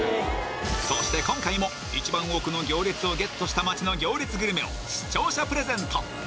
そして今回も一番多くの行列をゲットした町の行列グルメを視聴者プレゼント